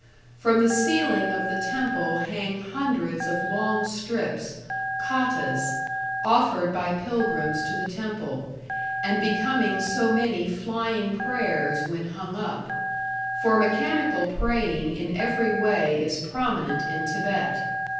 From the ceiling of the temple hang hundreds of long strips, katas, offered by pilgrims to the temple, and becoming so many flying prayers when hung up for mechanical praying in every way is prominent in Thibet....